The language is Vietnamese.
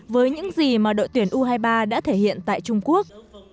với những gì mà đội tuyển u hai mươi ba đã thể hiện tại trung quốc